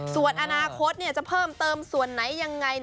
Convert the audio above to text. ส่วนอนาคตจะเพิ่มเติมส่วนไหนยังไง